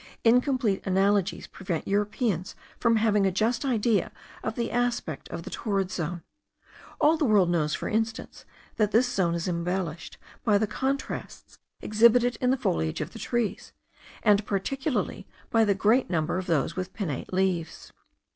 Incomplete analogies prevent Europeans from having a just idea of the aspect of the torrid zone. All the world knows, for instance, that this zone is embellished by the contrasts exhibited in the foliage of the trees, and particularly by the great number of those with pinnate leaves.